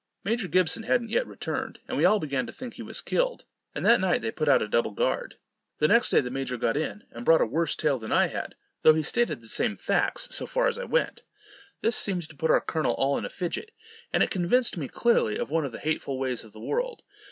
Major Gibson hadn't yet returned, and we all began to think he was killed; and that night they put out a double guard. The next day the major got in, and brought a worse tale than I had, though he stated the same facts, so far as I went. This seemed to put our colonel all in a fidget; and it convinced me, clearly, of one of the hateful ways of the world.